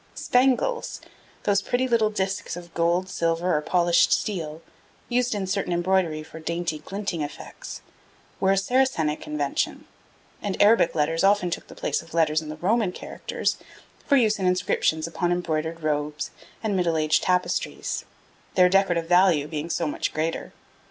Spangles (those pretty little discs of gold, silver, or polished steel, used in certain embroidery for dainty glinting effects) were a Saracenic invention; and Arabic letters often took the place of letters in the Roman characters for use in inscriptions upon embroidered robes and Middle Age tapestries, their decorative value being so much greater.